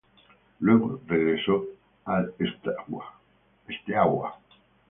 Luego regresó al Steaua.